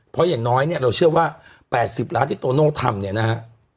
เพราะอย่างน้อยเนี่ยเราเชื่อว่า๘๐ล้านที่โตโน่ทำเนี่ยนะฮะ